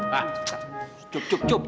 cuk cuk cuk cuk